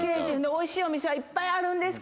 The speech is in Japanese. おいしいお店はいっぱいあるんですけど。